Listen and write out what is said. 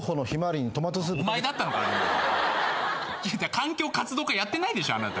環境活動家やってないでしょあなた。